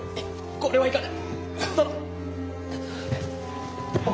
これはいかん殿。